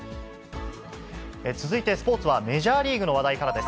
続いてスポーツはメジャーリーグの話題からです。